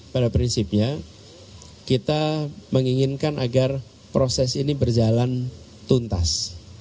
pada prinsipnya kita menginginkan agar proses ini berjalan tuntas